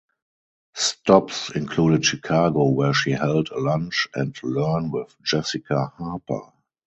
Stops included Chicago, where she held a "Lunch and Learn with Jessica Harper".